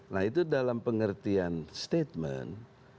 nah itu dalam pengertian statement